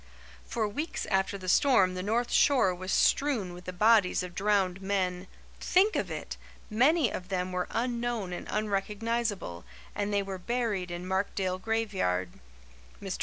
For weeks after the storm the north shore was strewn with the bodies of drowned men. Think of it! Many of them were unknown and unrecognizable, and they were buried in Markdale graveyard. Mr.